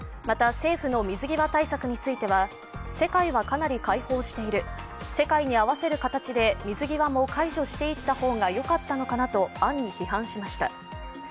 また、政府の水際対策については、世界はかなり開放している、世界に合わせる形で水際も解除していったほうがよかったのかなと暗に批判しました。